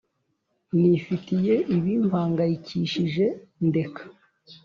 Nifitiye ibi mpangayikishije ndeka